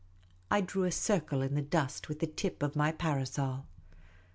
I drew a circle in the dust with the tip of my parasol.